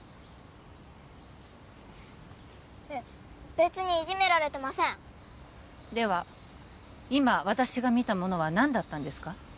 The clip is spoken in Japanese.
別にいじめられてませんでは今私が見たものは何だったんですか？